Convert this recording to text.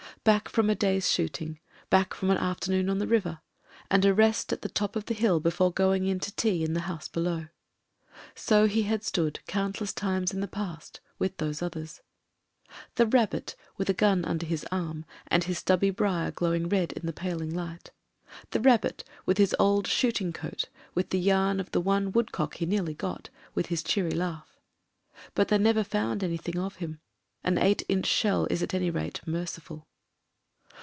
Back from a day's shooting, back from an afternoon on the river, and a rest at the top of the hill before going in to tea in the house below. So had he stood countless times in the past — ^with those others. ... The Rabbit, with a gun under his arm, and his stubby briar glowing red in the paling light The Rabbit, with his old. shooting coat, with the yam of the one woodcock he nearly got, with his cheery laugh. But they never found anything of him — ^an eight inch shell is at any rate merciful.